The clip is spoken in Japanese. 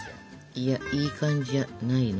いやいい感じじゃないのかしら。